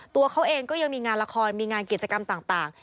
ตัวเขาเองก็ยังมีงานละครมีงานกิจกรรมต่าง